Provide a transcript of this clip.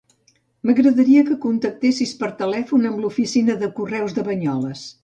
M'agradaria que contactessis per telèfon amb l'oficina de correus de Banyoles.